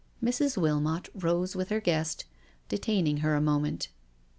Mrs. Wilmot rose with her guest, detaining her a moment.